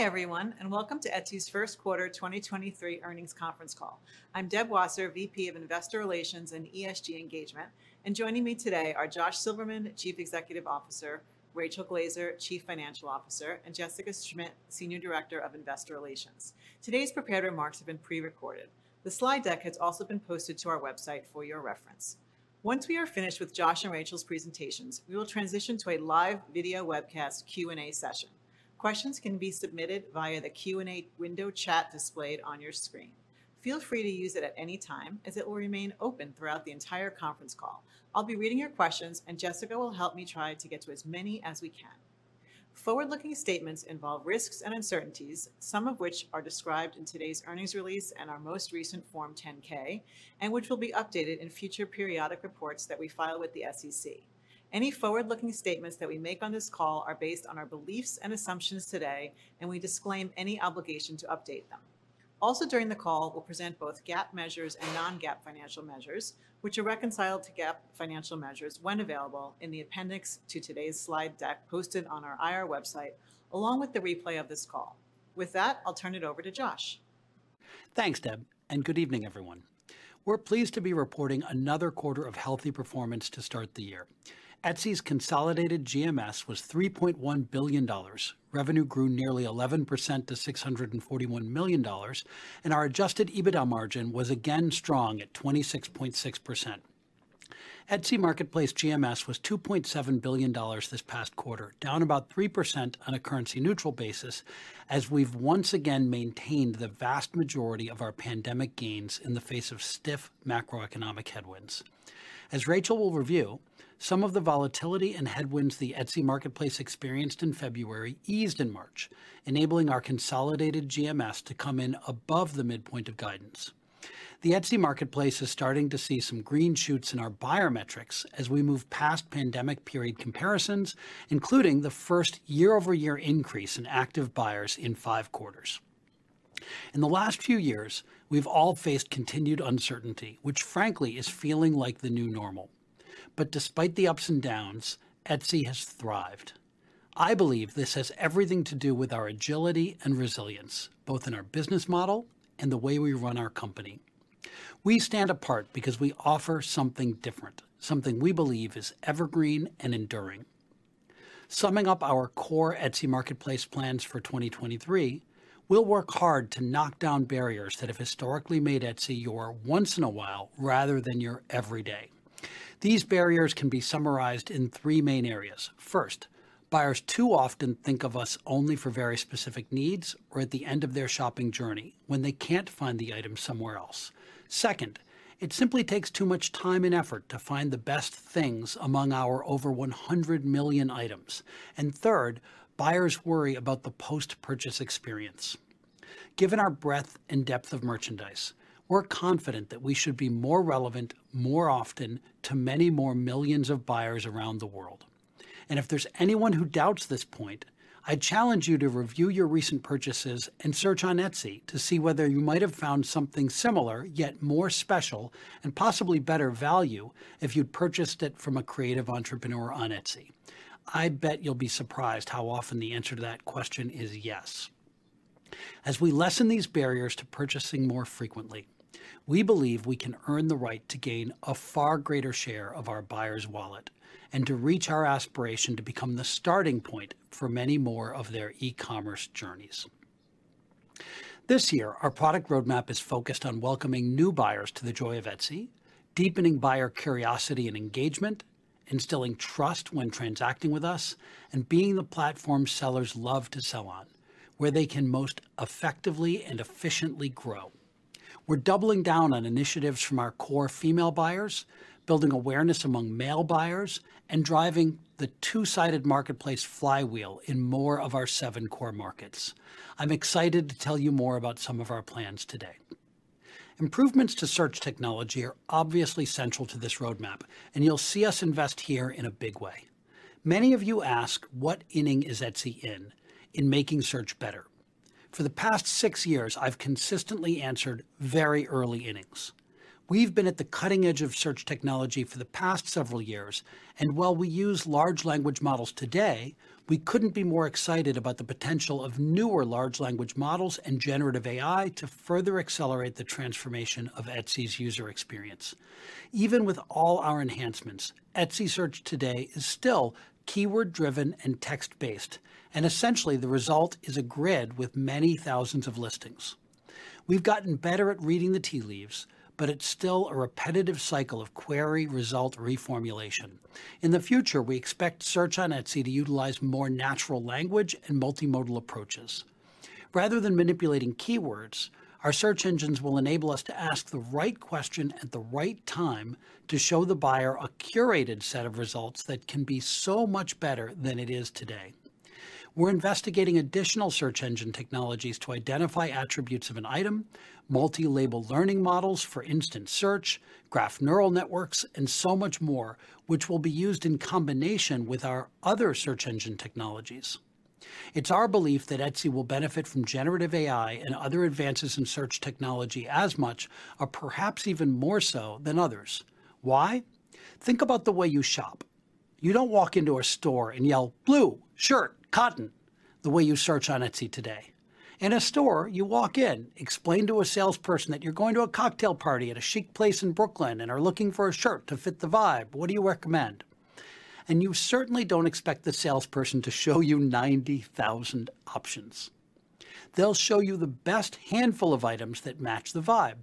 Hi, everyone, and welcome to Etsy's first quarter 2023 earnings conference call. I'm Deb Wasser, VP of Investor Relations and ESG Engagement. Joining me today are Josh Silverman, Chief Executive Officer, Rachel Glaser, Chief Financial Officer, and Jessica Schmidt, Senior Director of Investor Relations. Today's prepared remarks have been pre-recorded. The slide deck has also been posted to our website for your reference. Once we are finished with Josh and Rachel's presentations, we will transition to a live video webcast Q&A session. Questions can be submitted via the Q&A window chat displayed on your screen. Feel free to use it at any time, as it will remain open throughout the entire conference call. I'll be reading your questions, and Jessica will help me try to get to as many as we can. Forward-looking statements involve risks and uncertainties, some of which are described in today's earnings release and our most recent Form 10-K, and which will be updated in future periodic reports that we file with the SEC. Any forward-looking statements that we make on this call are based on our beliefs and assumptions today, and we disclaim any obligation to update them. Also during the call, we'll present both GAAP measures and non-GAAP financial measures, which are reconciled to GAAP financial measures when available in the appendix to today's slide deck posted on our IR website, along with the replay of this call. With that, I'll turn it over to Josh. Thanks, Deb. Good evening, everyone. We're pleased to be reporting another quarter of healthy performance to start the year. Etsy's consolidated GMS was $3.1 billion. Revenue grew nearly 11% to $641 million, and our adjusted EBITDA margin was again strong at 26.6%. Etsy Marketplace GMS was $2.7 billion this past quarter, down about 3% on a currency neutral basis, as we've once again maintained the vast majority of our pandemic gains in the face of stiff macroeconomic headwinds. As Rachel will review, some of the volatility and headwinds the Etsy Marketplace experienced in February eased in March, enabling our consolidated GMS to come in above the midpoint of guidance. The Etsy Marketplace is starting to see some green shoots in our buyer metrics as we move past pandemic period comparisons, including the first year-over-year increase in active buyers in five quarters. In the last few years, we've all faced continued uncertainty, which frankly is feeling like the new normal. Despite the ups and downs, Etsy has thrived. I believe this has everything to do with our agility and resilience, both in our business model and the way we run our company. We stand apart because we offer something different, something we believe is evergreen and enduring. Summing up our core Etsy Marketplace plans for 2023, we'll work hard to knock down barriers that have historically made Etsy your once in a while, rather than your every day. These barriers can be summarized in three main areas. First, buyers too often think of us only for very specific needs or at the end of their shopping journey when they can't find the item somewhere else. Second, it simply takes too much time and effort to find the best things among our over 100 million items. Third, buyers worry about the post-purchase experience. Given our breadth and depth of merchandise, we're confident that we should be more relevant more often to many more millions of buyers around the world. If there's anyone who doubts this point, I'd challenge you to review your recent purchases and search on Etsy to see whether you might have found something similar, yet more special and possibly better value if you'd purchased it from a creative entrepreneur on Etsy. I bet you'll be surprised how often the answer to that question is yes. As we lessen these barriers to purchasing more frequently, we believe we can earn the right to gain a far greater share of our buyers' wallet and to reach our aspiration to become the starting point for many more of their e-commerce journeys. This year, our product roadmap is focused on welcoming new buyers to the joy of Etsy, deepening buyer curiosity and engagement, instilling trust when transacting with us, and being the platform sellers love to sell on, where they can most effectively and efficiently grow. We're doubling down on initiatives from our core female buyers, building awareness among male buyers, and driving the two-sided marketplace flywheel in more of our seven core markets. I'm excited to tell you more about some of our plans today. Improvements to search technology are obviously central to this roadmap, and you'll see us invest here in a big way. Many of you ask, what inning is Etsy in in making search better? For the past six years, I've consistently answered, "Very early innings." We've been at the cutting edge of search technology for the past several years, and while we use large language models today, we couldn't be more excited about the potential of newer large language models and generative AI to further accelerate the transformation of Etsy's user experience. Even with all our enhancements, Etsy Search today is still keyword-driven and text-based, and essentially the result is a grid with many thousands of listings. We've gotten better at reading the tea leaves, but it's still a repetitive cycle of query, result, reformulation. In the future, we expect search on Etsy to utilize more natural language and multimodal approaches. Rather than manipulating keywords, our search engines will enable us to ask the right question at the right time to show the buyer a curated set of results that can be so much better than it is today. We're investigating additional search engine technologies to identify attributes of an item, multi-label learning models for instant search, graph neural networks, and so much more, which will be used in combination with our other search engine technologies. It's our belief that Etsy will benefit from generative AI and other advances in search technology as much or perhaps even more so than others. Why? Think about the way you shop. You don't walk into a store and yell, "Blue shirt, cotton," the way you search on Etsy today. In a store, you walk in, explain to a salesperson that you're going to a cocktail party at a chic place in Brooklyn and are looking for a shirt to fit the vibe. What do you recommend? You certainly don't expect the salesperson to show you 90,000 options. They'll show you the best handful of items that match the vibe.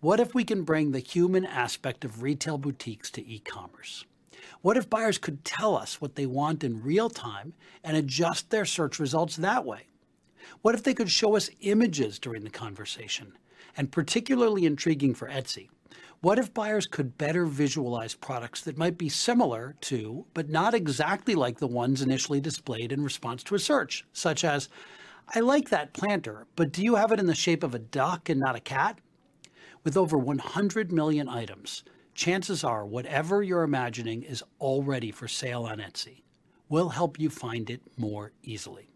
What if we can bring the human aspect of retail boutiques to e-commerce? What if buyers could tell us what they want in real time and adjust their search results that way? What if they could show us images during the conversation? Particularly intriguing for Etsy, what if buyers could better visualize products that might be similar to, but not exactly like the ones initially displayed in response to a search? Such as, "I like that planter, but do you have it in the shape of a duck and not a cat?" With over 100 million items, chances are whatever you're imagining is already for sale on Etsy. We'll help you find it more easily.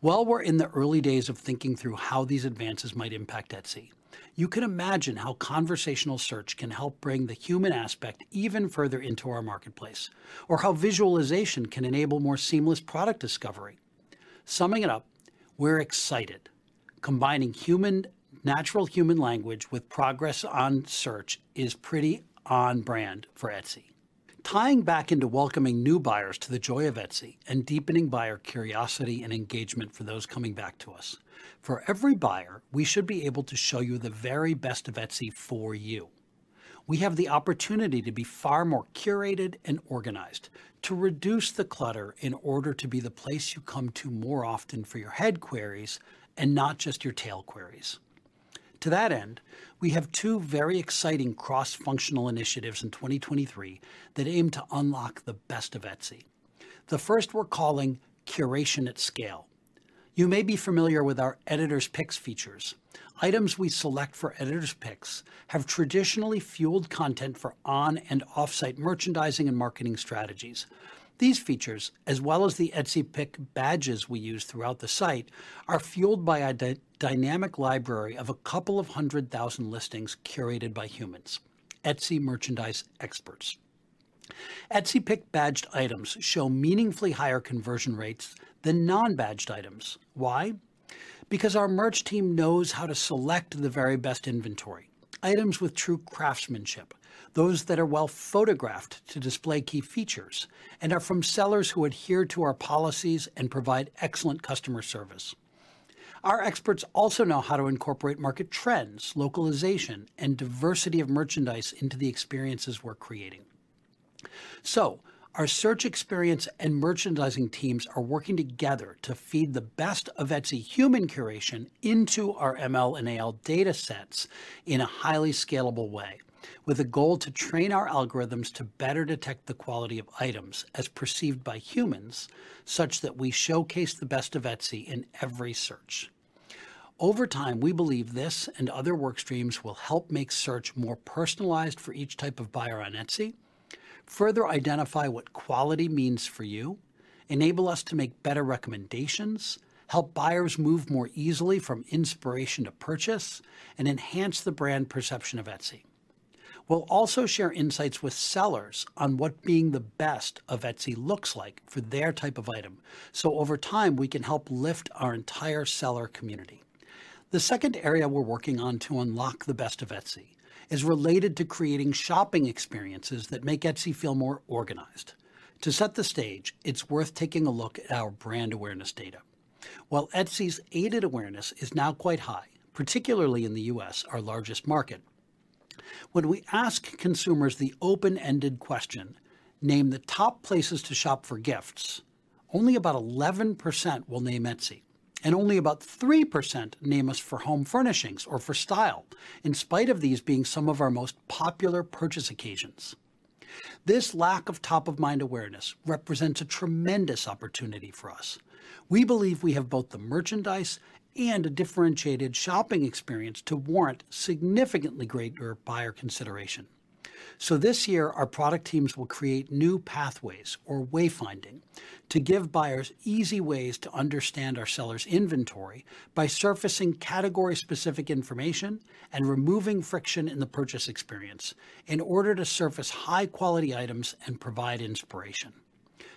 While we're in the early days of thinking through how these advances might impact Etsy, you can imagine how conversational search can help bring the human aspect even further into our marketplace, or how visualization can enable more seamless product discovery. Summing it up, we're excited. Combining natural human language with progress on search is pretty on brand for Etsy. Tying back into welcoming new buyers to the joy of Etsy and deepening buyer curiosity and engagement for those coming back to us, for every buyer, we should be able to show you the very best of Etsy for you. We have the opportunity to be far more curated and organized, to reduce the clutter in order to be the place you come to more often for your head queries and not just your tail queries. To that end, we have two very exciting cross-functional initiatives in 2023 that aim to unlock the best of Etsy. The first we're calling Curation at Scale. You may be familiar with our Editor's Picks features. Items we select for Editor's Picks have traditionally fueled content for on and offsite merchandising and marketing strategies. These features, as well as the Etsy's Pick badges we use throughout the site, are fueled by a dynamic library of a couple of 100,000 listings curated by humans, Etsy merchandise experts. Etsy's Pick badged items show meaningfully higher conversion rates than non-badged items. Why? Our merch team knows how to select the very best inventory, items with true craftsmanship, those that are well photographed to display key features, and are from sellers who adhere to our policies and provide excellent customer service. Our experts also know how to incorporate market trends, localization, and diversity of merchandise into the experiences we're creating. Our search experience and merchandising teams are working together to feed the best of Etsy human curation into our ML and AI data sets in a highly scalable way, with a goal to train our algorithms to better detect the quality of items as perceived by humans, such that we showcase the best of Etsy in every search. Over time, we believe this and other work streams will help make search more personalized for each type of buyer on Etsy, further identify what quality means for you, enable us to make better recommendations, help buyers move more easily from inspiration to purchase, and enhance the brand perception of Etsy. We'll also share insights with sellers on what being the best of Etsy looks like for their type of item, so over time, we can help lift our entire seller community. The second area we're working on to unlock the best of Etsy is related to creating shopping experiences that make Etsy feel more organized. To set the stage, it's worth taking a look at our brand awareness data. While Etsy's aided awareness is now quite high, particularly in the U.S., our largest market, when we ask consumers the open-ended question, "Name the top places to shop for gifts," only about 11% will name Etsy, and only about 3% name us for home furnishings or for style, in spite of these being some of our most popular purchase occasions. This lack of top-of-mind awareness represents a tremendous opportunity for us. We believe we have both the merchandise and a differentiated shopping experience to warrant significantly greater buyer consideration. This year, our product teams will create new pathways or wayfinding to give buyers easy ways to understand our sellers' inventory by surfacing category-specific information and removing friction in the purchase experience in order to surface high-quality items and provide inspiration.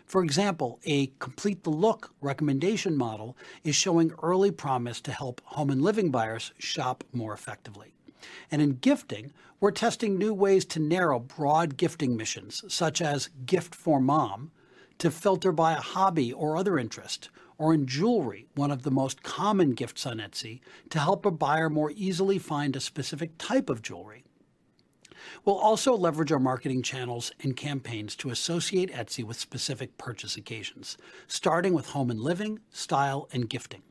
For example, a Complete the Look recommendation model is showing early promise to help home and living buyers shop more effectively. In gifting, we're testing new ways to narrow broad gifting missions, such as Gift for Mom, to filter by a hobby or other interest, or in jewelry, one of the most common gifts on Etsy, to help a buyer more easily find a specific type of jewelry. We'll also leverage our marketing channels and campaigns to associate Etsy with specific purchase occasions, starting with home and living, style, and gifting.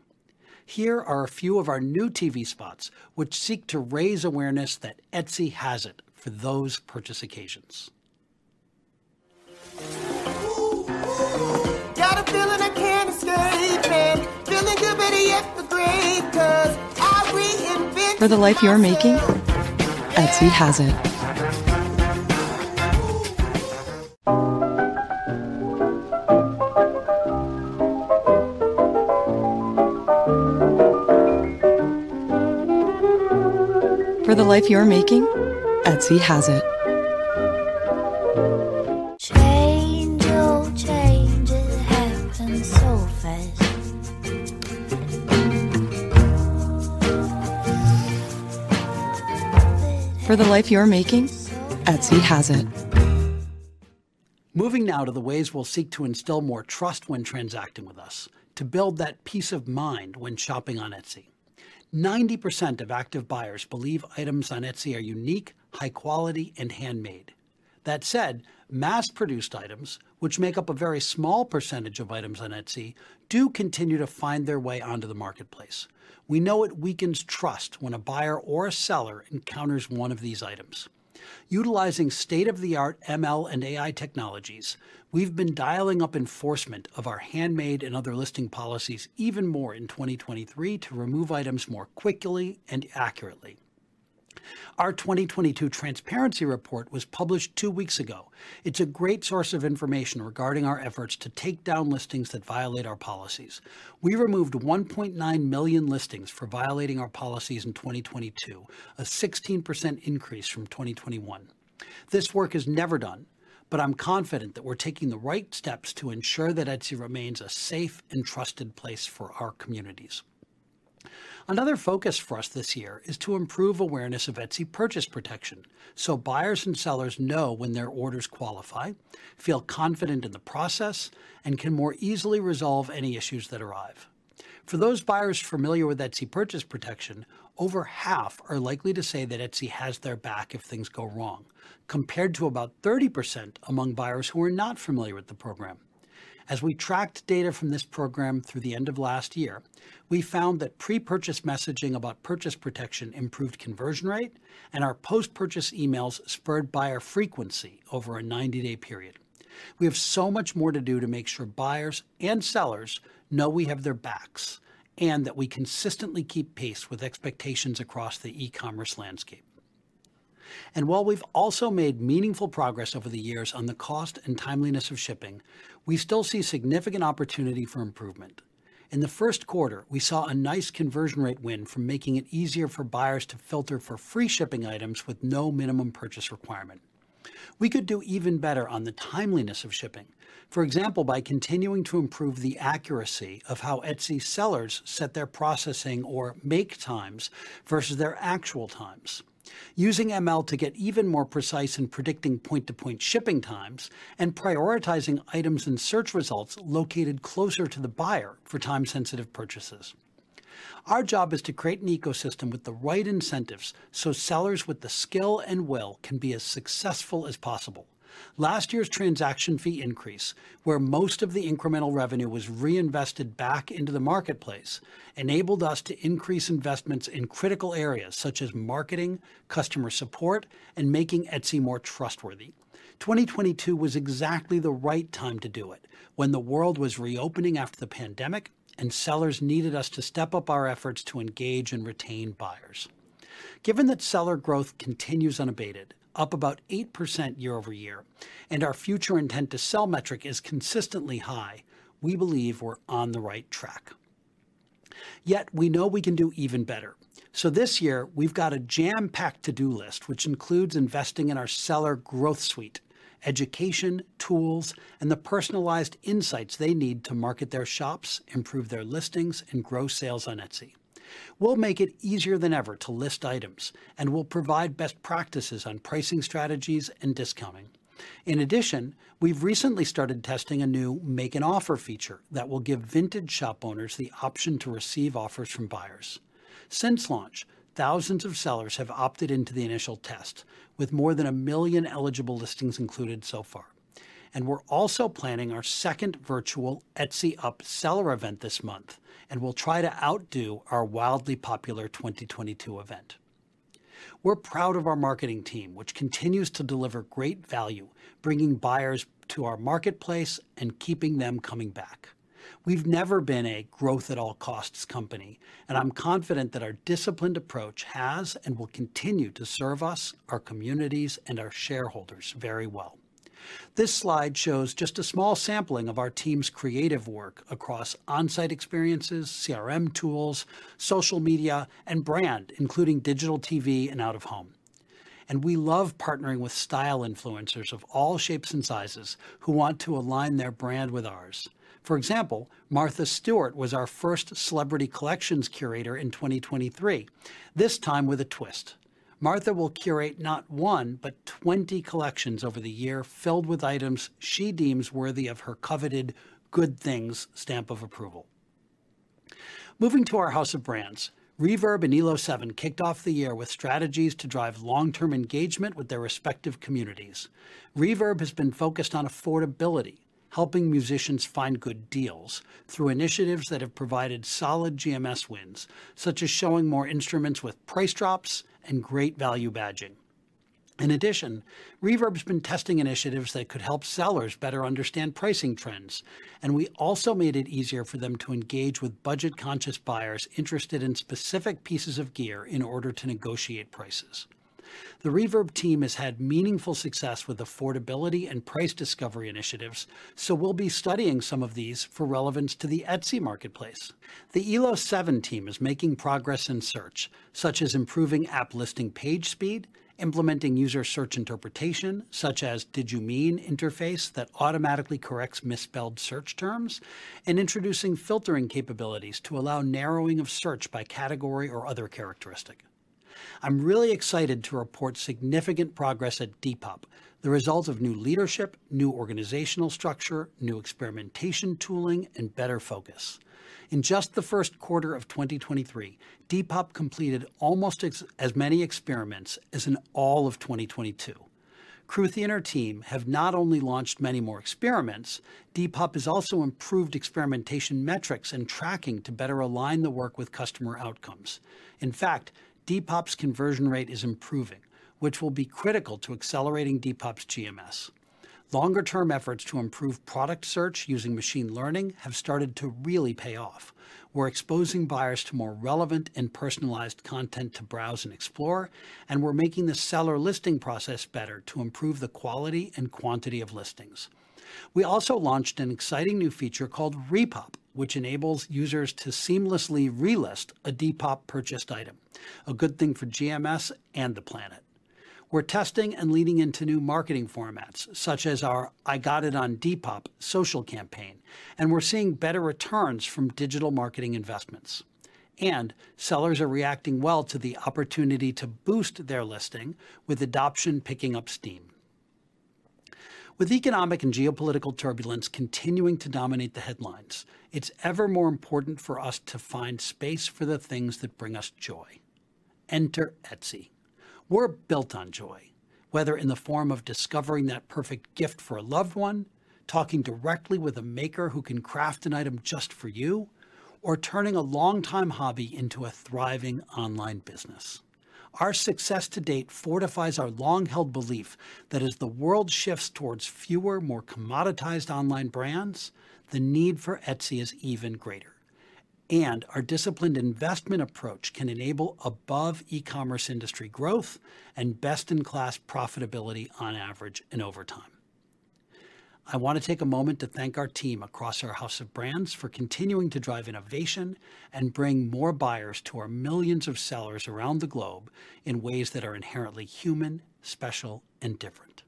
Here are a few of our new TV spots which seek to raise awareness that Etsy Has It for those purchase occasions Got a feeling I can't escape and, feeling good, better yet, the great 'cause I reinvent myself. For the life you're making, Etsy has it. Moving now to the ways we'll seek to instill more trust when transacting with us to build that peace of mind when shopping on Etsy. 90% of active buyers believe items on Etsy are unique, high quality, and handmade. That said, mass-produced items, which make up a very small percentage of items on Etsy, do continue to find their way onto the marketplace. We know it weakens trust when a buyer or a seller encounters one of these items. Utilizing state-of-the-art ML and AI technologies, we've been dialing up enforcement of our handmade and other listing policies even more in 2023 to remove items more quickly and accurately. Our 2022 transparency report was published two weeks ago. It's a great source of information regarding our efforts to take down listings that violate our policies. We removed 1.9 million listings for violating our policies in 2022, a 16% increase from 2021. I'm confident that we're taking the right steps to ensure that Etsy remains a safe and trusted place for our communities. Another focus for us this year is to improve awareness of Etsy Purchase Protection, buyers and sellers know when their orders qualify, feel confident in the process, and can more easily resolve any issues that arrive. For those buyers familiar with Etsy Purchase Protection, over half are likely to say that Etsy has their back if things go wrong, compared to about 30% among buyers who are not familiar with the program. As we tracked data from this program through the end of last year, we found that pre-purchase messaging about Purchase Protection improved conversion rate, our post-purchase emails spurred buyer frequency over a 90-day period. We have so much more to do to make sure buyers and sellers know we have their backs and that we consistently keep pace with expectations across the e-commerce landscape. While we've also made meaningful progress over the years on the cost and timeliness of shipping, we still see significant opportunity for improvement. In the first quarter, we saw a nice conversion rate win from making it easier for buyers to filter for free shipping items with no minimum purchase requirement. We could do even better on the timeliness of shipping. For example, by continuing to improve the accuracy of how Etsy sellers set their processing or make times versus their actual times. Using ML to get even more precise in predicting point-to-point shipping times and prioritizing items and search results located closer to the buyer for time-sensitive purchases. Our job is to create an ecosystem with the right incentives so sellers with the skill and will can be as successful as possible. Last year's transaction fee increase, where most of the incremental revenue was reinvested back into the marketplace, enabled us to increase investments in critical areas such as marketing, customer support, and making Etsy more trustworthy. 2022 was exactly the right time to do it when the world was reopening after the pandemic and sellers needed us to step up our efforts to engage and retain buyers. Given that seller growth continues unabated, up about 8% year-over-year, and our future intent to sell metric is consistently high, we believe we're on the right track. Yet we know we can do even better. This year, we've got a jam-packed to-do list, which includes investing in our seller growth suite, education, tools, and the personalized insights they need to market their shops, improve their listings, and grow sales on Etsy. We'll make it easier than ever to list items, and we'll provide best practices on pricing strategies and discounting. In addition, we've recently started testing a new Make an Offer feature that will give vintage shop owners the option to receive offers from buyers. Since launch, thousands of sellers have opted into the initial test, with more than a million eligible listings included so far. We're also planning our second virtual Etsy Up seller event this month, and we'll try to outdo our wildly popular 2022 event. We're proud of our marketing team, which continues to deliver great value, bringing buyers to our marketplace and keeping them coming back. We've never been a growth at all costs company, and I'm confident that our disciplined approach has and will continue to serve us, our communities, and our shareholders very well. This slide shows just a small sampling of our team's creative work across on-site experiences, CRM tools, social media, and brand, including digital TV and out of home. We love partnering with style influencers of all shapes and sizes who want to align their brand with ours. For example, Martha Stewart was our first celebrity collections curator in 2023, this time with a twist. Martha will curate not one but 20 collections over the year filled with items she deems worthy of her coveted Good Things stamp of approval. Moving to our house of brands, Reverb and Elo7 kicked off the year with strategies to drive long-term engagement with their respective communities. Reverb has been focused on affordability, helping musicians find good deals through initiatives that have provided solid GMS wins, such as showing more instruments with price drops and great value badging. Reverb's been testing initiatives that could help sellers better understand pricing trends, and we also made it easier for them to engage with budget-conscious buyers interested in specific pieces of gear in order to negotiate prices. The Reverb team has had meaningful success with affordability and price discovery initiatives, we'll be studying some of these for relevance to the Etsy marketplace. The Elo7 team is making progress in search, such as improving app listing page speed, implementing user search interpretation, such as did you mean interface that automatically corrects misspelled search terms, and introducing filtering capabilities to allow narrowing of search by category or other characteristic. I'm really excited to report significant progress at Depop, the result of new leadership, new organizational structure, new experimentation tooling, and better focus. In just the first quarter of 2023, Depop completed almost as many experiments as in all of 2022. Kruti and her team have not only launched many more experiments, Depop has also improved experimentation metrics and tracking to better align the work with customer outcomes. In fact, Depop's conversion rate is improving, which will be critical to accelerating Depop's GMS. Longer term efforts to improve product search using machine learning have started to really pay off. We're exposing buyers to more relevant and personalized content to browse and explore, and we're making the seller listing process better to improve the quality and quantity of listings. We also launched an exciting new feature called Repop, which enables users to seamlessly relist a Depop-purchased item, a good thing for GMS and the planet. We're testing and leaning into new marketing formats, such as our I Got It on Depop social campaign, and we're seeing better returns from digital marketing investments. Sellers are reacting well to the opportunity to boost their listing with adoption picking up steam. With economic and geopolitical turbulence continuing to dominate the headlines, it's ever more important for us to find space for the things that bring us joy. Enter Etsy. We're built on joy, whether in the form of discovering that perfect gift for a loved one, talking directly with a maker who can craft an item just for you, or turning a long time hobby into a thriving online business. Our success to date fortifies our long-held belief that as the world shifts towards fewer, more commoditized online brands, the need for Etsy is even greater. Our disciplined investment approach can enable above e-commerce industry growth and best-in-class profitability on average and over time. I want to take a moment to thank our team across our house of brands for continuing to drive innovation and bring more buyers to our millions of sellers around the globe in ways that are inherently human, special, and different.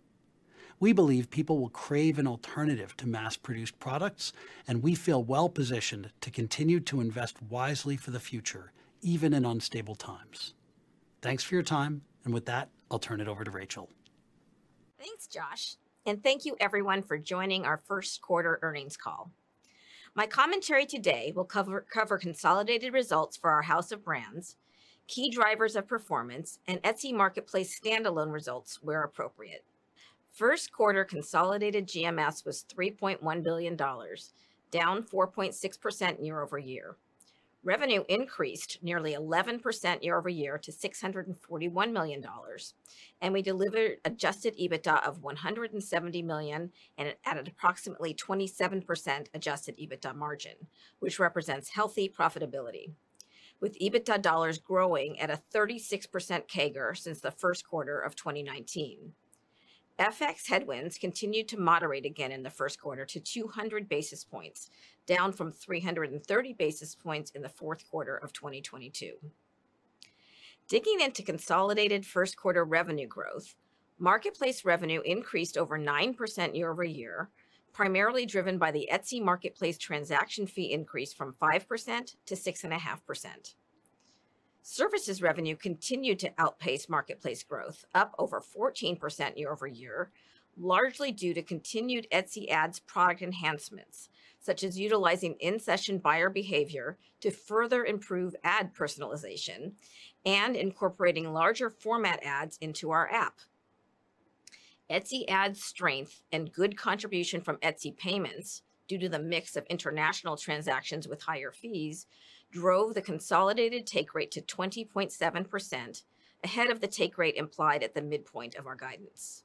We believe people will crave an alternative to mass-produced products. We feel well-positioned to continue to invest wisely for the future, even in unstable times. Thanks for your time. With that, I'll turn it over to Rachel. Thanks, Josh. Thank you everyone for joining our first quarter earnings call. My commentary today will cover consolidated results for our house of brands, key drivers of performance, and Etsy Marketplace standalone results where appropriate. First quarter consolidated GMS was $3.1 billion, down 4.6% year-over-year. Revenue increased nearly 11% year-over-year to $641 million. We delivered adjusted EBITDA of $170 million and at an approximately 27% adjusted EBITDA margin, which represents healthy profitability, with EBITDA dollars growing at a 36% CAGR since the first quarter of 2019. FX headwinds continued to moderate again in the first quarter to 200 basis points, down from 330 basis points in the fourth quarter of 2022. Digging into consolidated first quarter revenue growth, Etsy Marketplace revenue increased over 9% year-over-year, primarily driven by the Etsy Marketplace transaction fee increase from 5% to 6.5%. Services revenue continued to outpace marketplace growth, up over 14% year-over-year, largely due to continued Etsy Ads product enhancements, such as utilizing in-session buyer behavior to further improve ad personalization and incorporating larger format ads into our app. Etsy Ads' strength and good contribution from Etsy Payments due to the mix of international transactions with higher fees drove the consolidated take rate to 20.7%, ahead of the take rate implied at the midpoint of our guidance.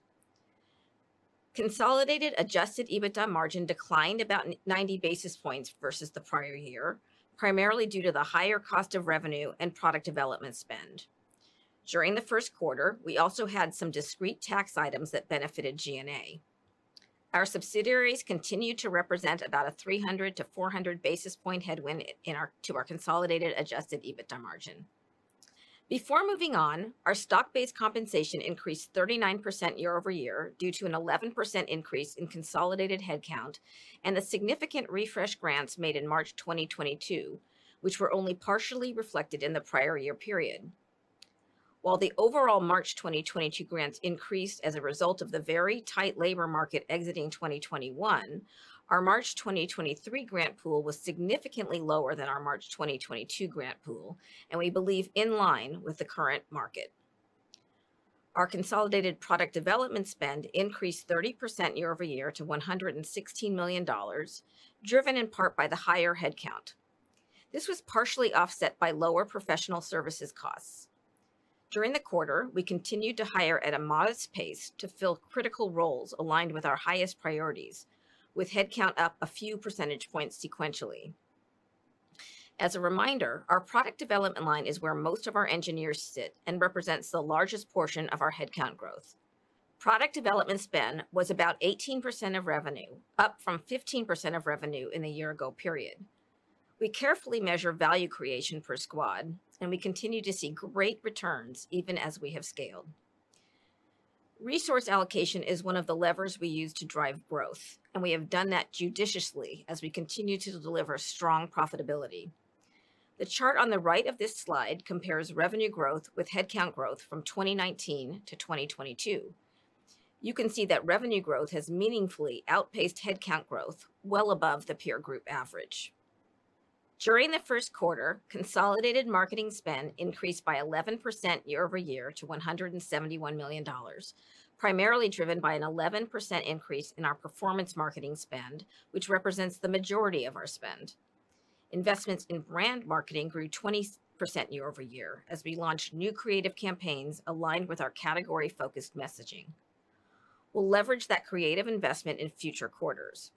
Consolidated adjusted EBITDA margin declined about 90 basis points versus the prior year, primarily due to the higher cost of revenue and product development spend. During the first quarter, we also had some discrete tax items that benefited G&A. Our subsidiaries continued to represent about a 300 basis point-400 basis point headwind to our consolidated adjusted EBITDA margin. Before moving on, our stock-based compensation increased 39% year-over-year due to an 11% increase in consolidated headcount and the significant refresh grants made in March 2022, which were only partially reflected in the prior year period. While the overall March 2022 grants increased as a result of the very tight labor market exiting 2021, our March 2023 grant pool was significantly lower than our March 2022 grant pool, and we believe in line with the current market. Our consolidated product development spend increased 30% year-over-year to $116 million, driven in part by the higher headcount. This was partially offset by lower professional services costs. During the quarter, we continued to hire at a modest pace to fill critical roles aligned with our highest priorities, with headcount up a few percentage points sequentially. As a reminder, our product development line is where most of our engineers sit and represents the largest portion of our headcount growth. Product development spend was about 18% of revenue, up from 15% of revenue in the year ago period. We carefully measure value creation for squad, and we continue to see great returns even as we have scaled. Resource allocation is one of the levers we use to drive growth, and we have done that judiciously as we continue to deliver strong profitability. The chart on the right of this slide compares revenue growth with headcount growth from 2019 to 2022. You can see that revenue growth has meaningfully outpaced headcount growth well above the peer group average. During the first quarter, consolidated marketing spend increased by 11% year-over-year to $171 million, primarily driven by an 11% increase in our performance marketing spend, which represents the majority of our spend. Investments in brand marketing grew 20% year-over-year as we launched new creative campaigns aligned with our category-focused messaging. We'll leverage that creative investment in future quarters.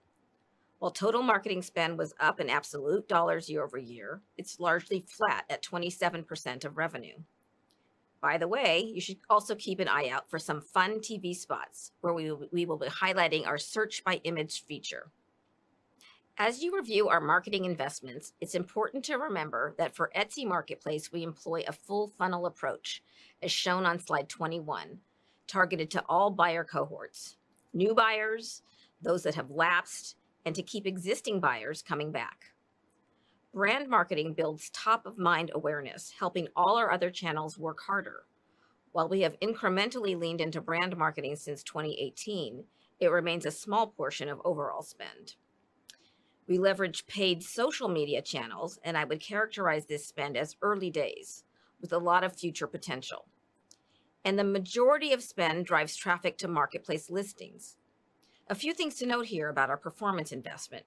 While total marketing spend was up in absolute dollars year-over-year, it's largely flat at 27% of revenue. By the way, you should also keep an eye out for some fun TV spots where we will be highlighting our Search by Image feature. As you review our marketing investments, it's important to remember that for Etsy Marketplace, we employ a full funnel approach, as shown on slide 21, targeted to all buyer cohorts, new buyers, those that have lapsed, and to keep existing buyers coming back. Brand marketing builds top of mind awareness, helping all our other channels work harder. While we have incrementally leaned into brand marketing since 2018, it remains a small portion of overall spend. We leverage paid social media channels, I would characterize this spend as early days with a lot of future potential. The majority of spend drives traffic to marketplace listings. A few things to note here about our performance investment.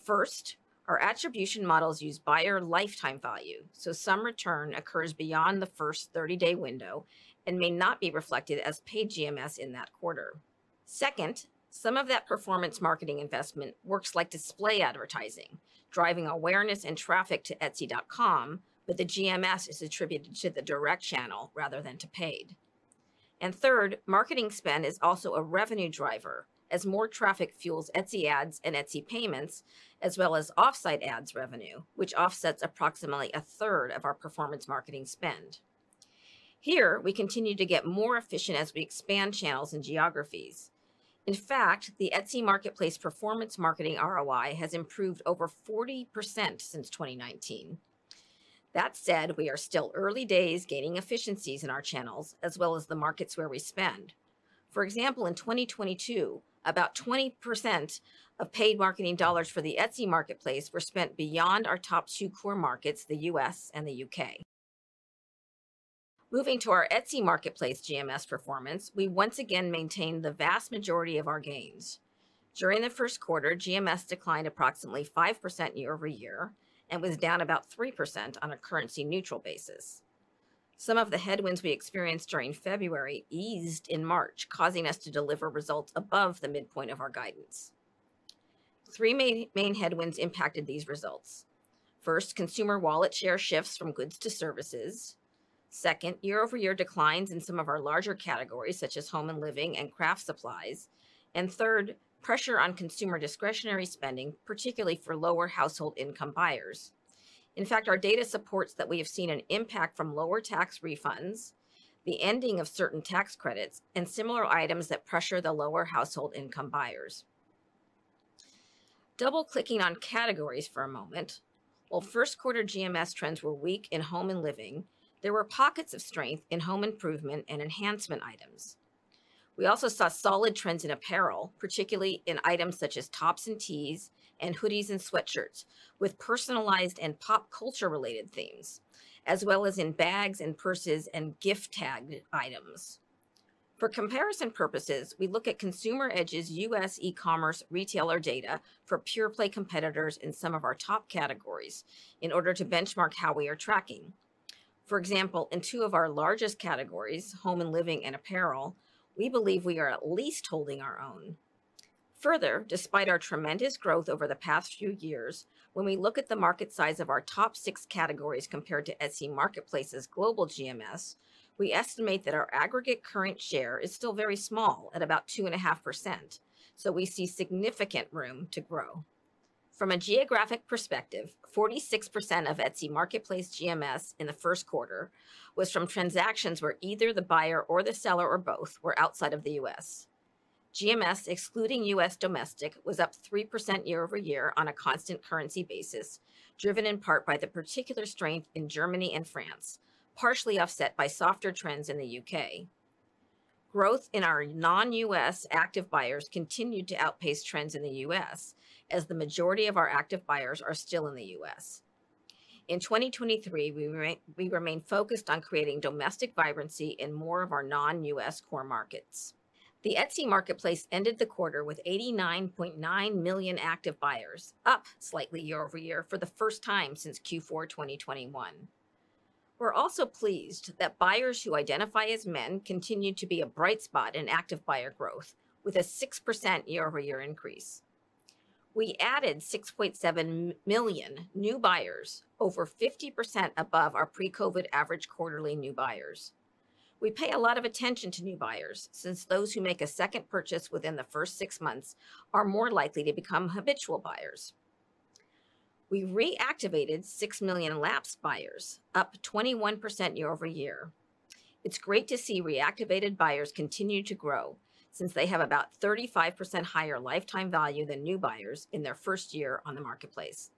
First, our attribution models use buyer lifetime value, so some return occurs beyond the first 30-day window and may not be reflected as paid GMS in that quarter. Some of that performance marketing investment works like display advertising, driving awareness and traffic to etsy.com, but the GMS is attributed to the direct channel rather than to paid. Marketing spend is also a revenue driver as more traffic fuels Etsy Ads and Etsy Payments, as well as Offsite Ads revenue, which offsets approximately a third of our performance marketing spend. Here, we continue to get more efficient as we expand channels and geographies. In fact, the Etsy Marketplace performance marketing ROI has improved over 40% since 2019. That said, we are still early days gaining efficiencies in our channels as well as the markets where we spend. For example, in 2022, about 20% of paid marketing dollars for the Etsy Marketplace were spent beyond our top two core markets, the U.S. and the U.K. Moving to our Etsy Marketplace GMS performance, we once again maintain the vast majority of our gains. During the first quarter, GMS declined approximately 5% year-over-year and was down about 3% on a currency neutral basis. Some of the headwinds we experienced during February eased in March, causing us to deliver results above the midpoint of our guidance. Three main headwinds impacted these results. First, consumer wallet share shifts from goods to services. Second, year-over-year declines in some of our larger categories such as home and living and craft supplies. Third, pressure on consumer discretionary spending, particularly for lower household income buyers. In fact, our data supports that we have seen an impact from lower tax refunds, the ending of certain tax credits, and similar items that pressure the lower household income buyers. Double-clicking on categories for a moment, while first quarter GMS trends were weak in home and living, there were pockets of strength in home improvement and enhancement items. We also saw solid trends in apparel, particularly in items such as tops and tees and hoodies and sweatshirts with personalized and pop culture-related themes, as well as in bags and purses and gift tag items. For comparison purposes, we look at Consumer Edge's U.S. e-commerce retailer data for pure play competitors in some of our top categories in order to benchmark how we are tracking. For example, in two of our largest categories, home and living and apparel, we believe we are at least holding our own. Further, despite our tremendous growth over the past few years, when we look at the market size of our top six categories compared to Etsy Marketplace's global GMS, we estimate that our aggregate current share is still very small at about 2.5%, so we see significant room to grow. From a geographic perspective, 46% of Etsy Marketplace GMS in the first quarter was from transactions where either the buyer or the seller or both were outside of the U.S. GMS, excluding U.S. domestic, was up 3% year-over-year on a constant currency basis, driven in part by the particular strength in Germany and France, partially offset by softer trends in the U.K. Growth in our non-U.S. active buyers continued to outpace trends in the U.S. as the majority of our active buyers are still in the U.S. In 2023, we remain focused on creating domestic vibrancy in more of our non-U.S. core markets. The Etsy Marketplace ended the quarter with 89.9 million active buyers, up slightly year-over-year for the first time since Q4 2021. We're also pleased that buyers who identify as men continue to be a bright spot in active buyer growth, with a 6% year-over-year increase. We added 6.7 million new buyers, over 50% above our pre-COVID average quarterly new buyers. We pay a lot of attention to new buyers since those who make a second purchase within the first six months are more likely to become habitual buyers. We reactivated 6 million lapsed buyers, up 21% year-over-year. It's great to see reactivated buyers continue to grow since they have about 35% higher lifetime value than new buyers in their first year on the marketplace.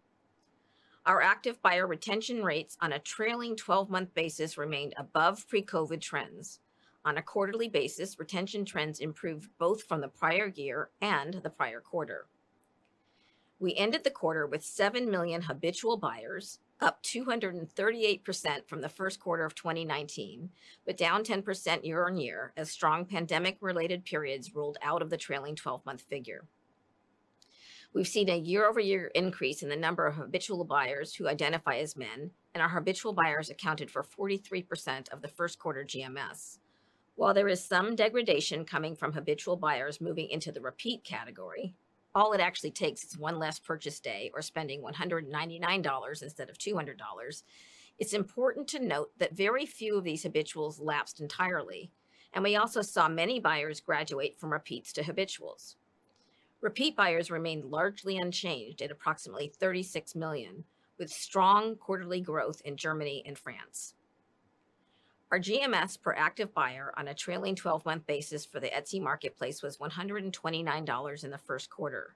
Our active buyer retention rates on a trailing 12-month basis remained above pre-COVID trends. On a quarterly basis, retention trends improved both from the prior year and the prior quarter. We ended the quarter with 7 million habitual buyers, up 238% from the first quarter of 2019, but down 10% year-on-year as strong pandemic-related periods rolled out of the trailing 12-month figure. We've seen a year-over-year increase in the number of habitual buyers who identify as men, and our habitual buyers accounted for 43% of the first quarter GMS. While there is some degradation coming from habitual buyers moving into the repeat category, all it actually takes is one less purchase day or spending $199 instead of $200. It's important to note that very few of these habituals lapsed entirely. We also saw many buyers graduate from repeats to habituals. Repeat buyers remained largely unchanged at approximately $36 million, with strong quarterly growth in Germany and France. Our GMS per active buyer on a trailing twelve-month basis for the Etsy Marketplace was $129 in the first quarter,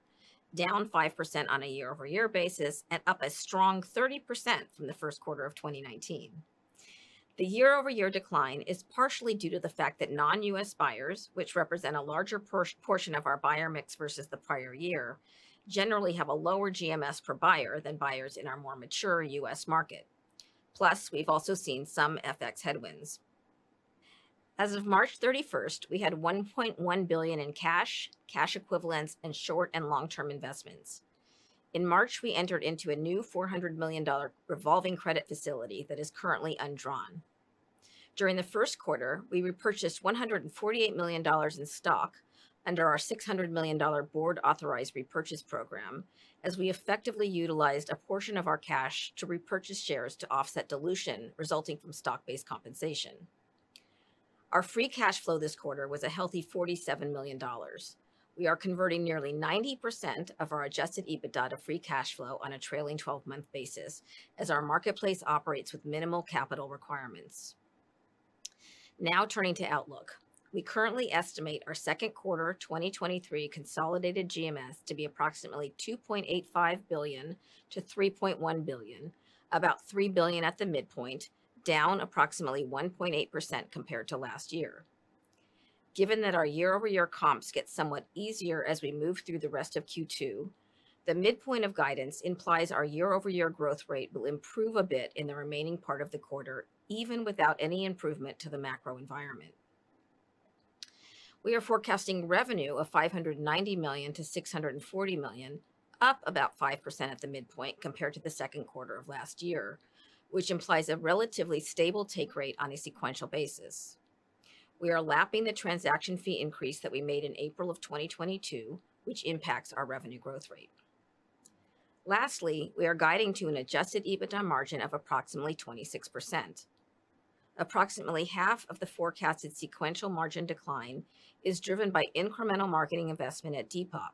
down 5% on a year-over-year basis and up a strong 30% from the first quarter of 2019. The year-over-year decline is partially due to the fact that non-U.S. buyers, which represent a larger portion of our buyer mix versus the prior year, generally have a lower GMS per buyer than buyers in our more mature U.S. market. We've also seen some FX headwinds. As of March 31st, we had $1.1 billion in cash equivalents, and short and long-term investments. In March, we entered into a new $400 million revolving credit facility that is currently undrawn. During the first quarter, we repurchased $148 million in stock under our $600 million board-authorized repurchase program as we effectively utilized a portion of our cash to repurchase shares to offset dilution resulting from stock-based compensation. Our free cash flow this quarter was a healthy $47 million. We are converting nearly 90% of our adjusted EBITDA to free cash flow on a trailing 12-month basis as our marketplace operates with minimal capital requirements. Now turning to outlook. We currently estimate our second quarter 2023 consolidated GMS to be approximately $2.85 billion-$3.1 billion, about $3 billion at the midpoint, down approximately 1.8% compared to last year. Given that our year-over-year comps get somewhat easier as we move through the rest of Q2, the midpoint of guidance implies our year-over-year growth rate will improve a bit in the remaining part of the quarter, even without any improvement to the macro environment. We are forecasting revenue of $590 million-$640 million, up about 5% at the midpoint compared to the second quarter of last year, which implies a relatively stable take rate on a sequential basis. We are lapping the transaction fee increase that we made in April of 2022, which impacts our revenue growth rate. We are guiding to an adjusted EBITDA margin of approximately 26%. Approximately half of the forecasted sequential margin decline is driven by incremental marketing investment at Depop,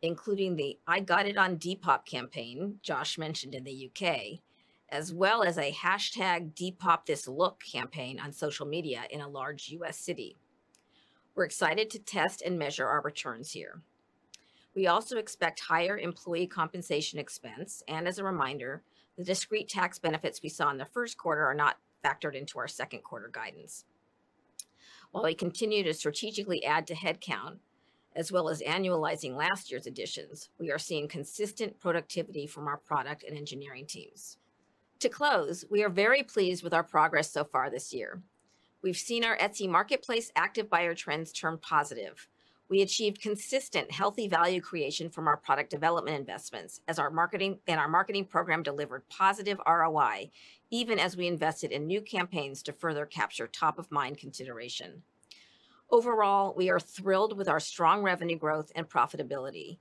including the I Got It on Depop campaign Josh mentioned in the U.K., as well as a hashtag Depop This Look campaign on social media in a large U.S. city. We're excited to test and measure our returns here. We also expect higher employee compensation expense, and as a reminder, the discrete tax benefits we saw in the first quarter are not factored into our second quarter guidance. While we continue to strategically add to headcount, as well as annualizing last year's additions, we are seeing consistent productivity from our product and engineering teams. To close, we are very pleased with our progress so far this year. We've seen our Etsy Marketplace active buyer trends turn positive. We achieved consistent, healthy value creation from our product development investments as our marketing program delivered positive ROI even as we invested in new campaigns to further capture top-of-mind consideration. We are thrilled with our strong revenue growth and profitability.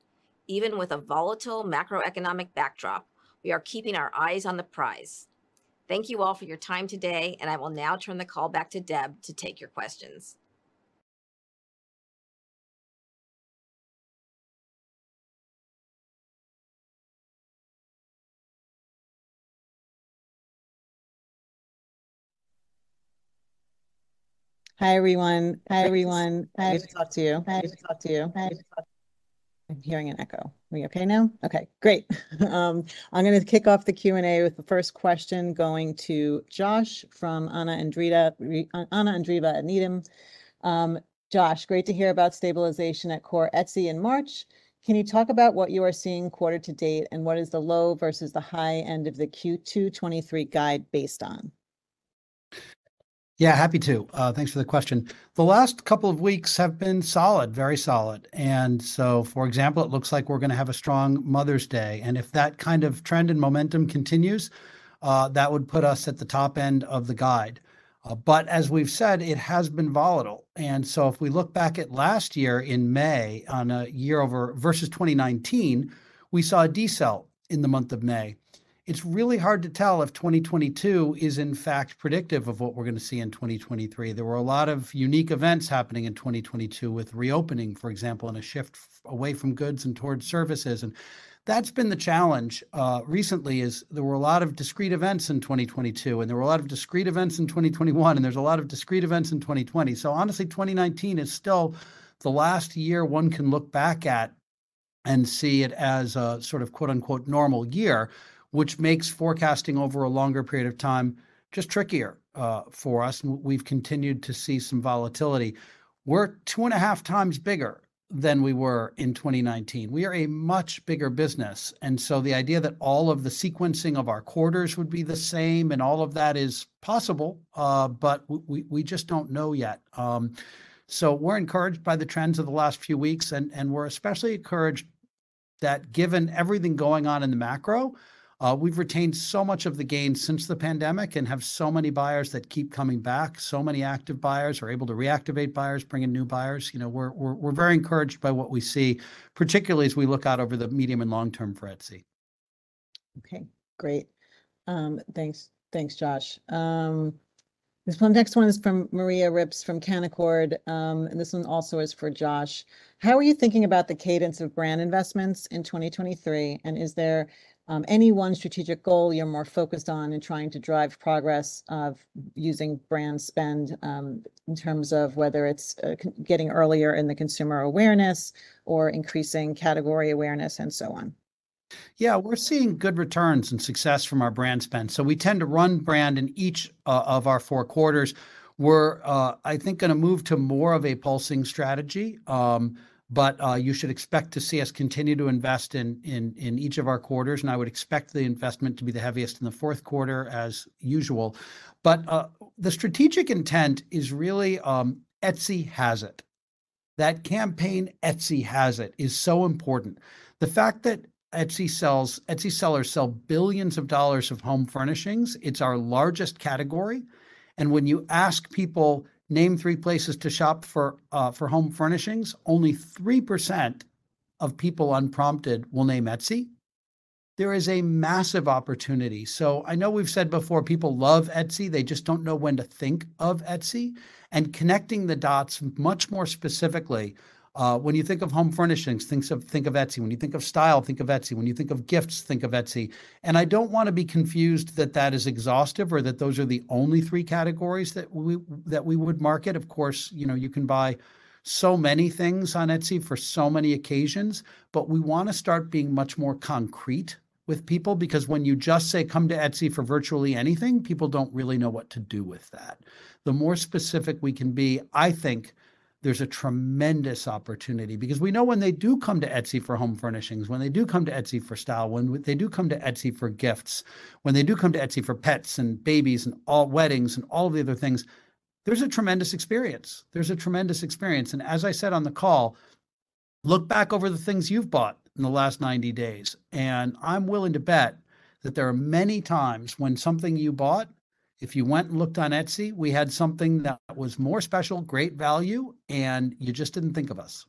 Even with a volatile macroeconomic backdrop, we are keeping our eyes on the prize. Thank you all for your time today. I will now turn the call back to Deb to take your questions. Hi, everyone. Pleased talk to you. I'm hearing an echo. Are we okay now? Okay, great. I'm gonna kick off the Q&A with the first question going to Josh from Anna Andreeva at Needham. Josh, great to hear about stabilization at core Etsy in March. Can you talk about what you are seeing quarter to date, and what is the low versus the high end of the Q2 2023 guide based on? Yeah, happy to. Thanks for the question. The last couple of weeks have been solid, very solid. For example, it looks like we're gonna have a strong Mother's Day, and if that kind of trend and momentum continues, that would put us at the top end of the guide. As we've said, it has been volatile. If we look back at last year in May, on a year over... versus 2019, we saw a decel in the month of May. It's really hard to tell if 2022 is in fact predictive of what we're gonna see in 2023. There were a lot of unique events happening in 2022 with reopening, for example, and a shift away from goods and towards services. That's been the challenge recently, is there were a lot of discrete events in 2022, and there were a lot of discrete events in 2021, and there's a lot of discrete events in 2020. Honestly, 2019 is still the last year one can look back at and see it as a sort of, quote unquote, "normal year," which makes forecasting over a longer period of time just trickier for us. We've continued to see some volatility. We're 2.5x bigger than we were in 2019. We are a much bigger business, and so the idea that all of the sequencing of our quarters would be the same and all of that is possible, but we just don't know yet. We're encouraged by the trends of the last few weeks and we're especially encouraged that given everything going on in the macro, we've retained so much of the gain since the pandemic and have so many buyers that keep coming back, so many active buyers. We're able to reactivate buyers, bring in new buyers. You know, we're very encouraged by what we see, particularly as we look out over the medium and long term for Etsy. Okay. Great. Thanks. Thanks, Josh. Next one is from Maria Ripps from Canaccord, this one also is for Josh. How are you thinking about the cadence of brand investments in 2023, is there any one strategic goal you're more focused on in trying to drive progress of using brand spend in terms of whether it's getting earlier in the consumer awareness or increasing category awareness and so on? Yeah. We're seeing good returns and success from our brand spend. We tend to run brand in each of our four quarters. We're, I think, gonna move to more of a pulsing strategy, you should expect to see us continue to invest in each of our quarters, and I would expect the investment to be the heaviest in the fourth quarter as usual. The strategic intent is really Etsy Has It. That campaign, Etsy Has It, is so important. The fact that Etsy sellers sell billions of dollars of home furnishings, it's our largest category, and when you ask people, "Name three places to shop for home furnishings," only 3% of people unprompted will name Etsy. There is a massive opportunity. I know we've said before, people love Etsy. They just don't know when to think of Etsy. Connecting the dots much more specifically, when you think of home furnishings, think of Etsy. When you think of style, think of Etsy. When you think of gifts, think of Etsy. I don't wanna be confused that that is exhaustive or that those are the only three categories that we, that we would market. Of course, you know, you can buy so many things on Etsy for so many occasions. We wanna start being much more concrete with people, because when you just say, "Come to Etsy for virtually anything," people don't really know what to do with that. The more specific we can be, I think there's a tremendous opportunity. We know when they do come to Etsy for home furnishings, when they do come to Etsy for style, when they do come to Etsy for gifts, when they do come to Etsy for pets and babies and all weddings and all of the other things, there's a tremendous experience. As I said on the call, look back over the things you've bought in the last 90 days, and I'm willing to bet that there are many times when something you bought, if you went and looked on Etsy, we had something that was more special, great value, and you just didn't think of us.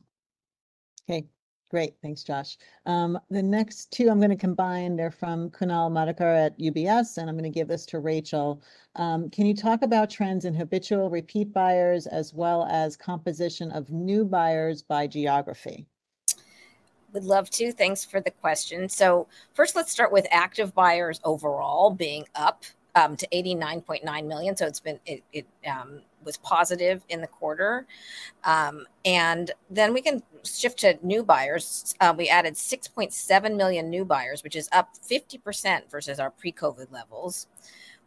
Okay. Great. Thanks, Josh. The next two I'm gonna combine. They're from Kunal Madhukar at UBS, and I'm gonna give this to Rachel. Can you talk about trends in habitual repeat buyers as well as composition of new buyers by geography? Would love to. Thanks for the question. First let's start with active buyers overall being up to $89.9 million, it was positive in the quarter. We can shift to new buyers. We added $6.7 million new buyers, which is up 50% versus our pre-COVID levels.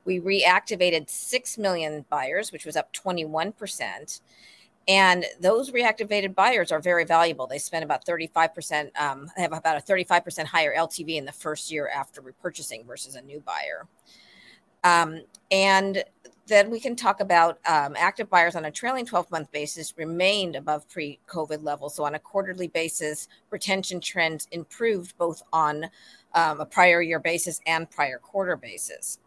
We reactivated $6 million buyers, which was up 21%, and those reactivated buyers are very valuable. They have about a 35% higher LTV in the first year after repurchasing versus a new buyer. We can talk about active buyers on a trailing 12-month basis remained above pre-COVID levels. On a quarterly basis, retention trends improved both on a prior year basis and prior quarter basis.